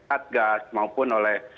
adgas maupun oleh